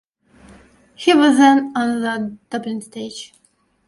He was then on the Dublin stage.